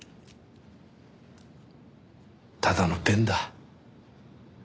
ただのペンだ。